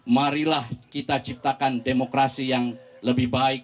marilah kita ciptakan demokrasi yang lebih baik